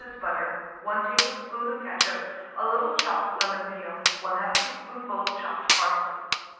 butter, 1 tablespoonful of ketchup, a little chopped lemon peel, 1/2 teaspoonful of chopped parsley.